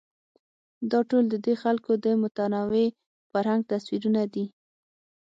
دا ټول ددې خلکو د متنوع فرهنګ تصویرونه دي.